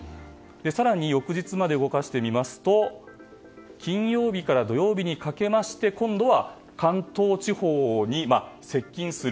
更に翌日まで動かしてみますと金曜日から土曜日にかけて今度は関東地方に接近する。